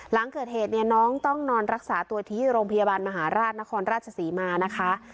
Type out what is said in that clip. หลังเกิดเหตุเนี่ยน้องต้องนอนรักษาตัวที่โรงพยาบาลมหาราชนครราชศรีมานะคะ